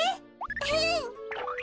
うん。